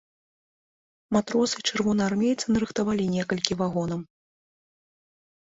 Матросы і чырвонаармейцы нарыхтавалі некалькі вагонаў.